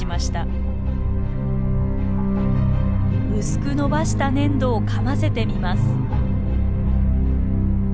薄くのばした粘土をかませてみます。